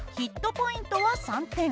ポイントは３点。